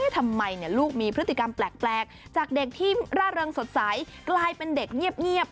ทำไมลูกมีพฤติกรรมแปลกจากเด็กที่ร่าเริงสดใสกลายเป็นเด็กเงียบ